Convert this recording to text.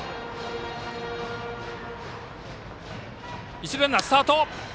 一塁ランナースタート。